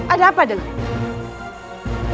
ada apa dengan aku